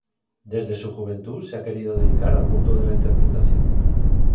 Desde su juventud se ha querido dedicar al mundo de la interpretación.